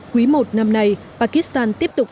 quý i năm nay pakistan tiếp tục